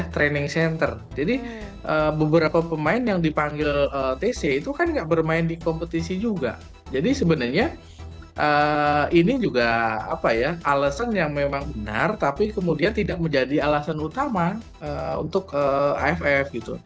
training center jadi beberapa pemain yang dipanggil tc itu kan nggak bermain di kompetisi juga jadi sebenarnya ini juga apa ya alasan yang memang benar tapi kemudian tidak menjadi alasan utama untuk aff gitu